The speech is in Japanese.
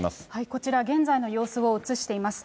こちら現在の様子を映しています。